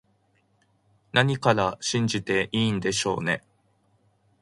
何から信じていいんでしょうね